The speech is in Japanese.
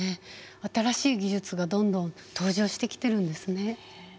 新しい技術がどんどん登場してきてるんですね。